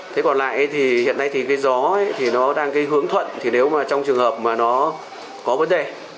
thế còn lại thì hiện nay thì cái gió thì nó đang cái hướng thuận thì nếu mà trong trường hợp mà nó có vấn đề